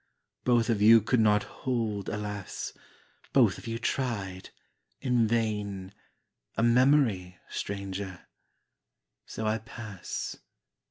Both of you could not hold, alas, (Both of you tried in vain) A memory, stranger. So I pass....